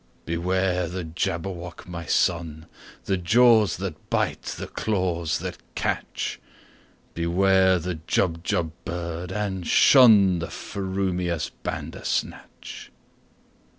"Beware the Jabberwock, my son! The jaws that bite, the claws that catch! Beware the Jubjub bird, and shunThe frumious Bandersnatch!"